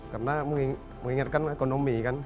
karena mengingatkan ekonomi kan